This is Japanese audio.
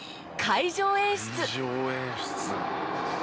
「会場演出」